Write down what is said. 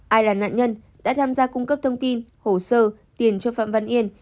ai là nạn nhân đã tham gia cung cấp thông tin hồ sơ tiền cho phạm văn yên